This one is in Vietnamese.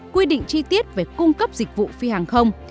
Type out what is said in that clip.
quy định chi tiết về cung cấp dịch vụ phi hàng không